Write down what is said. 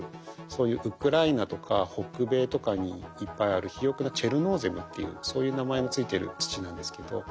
そういうウクライナとか北米とかにいっぱいある肥沃なチェルノーゼムっていうそういう名前の付いてる土なんですけど。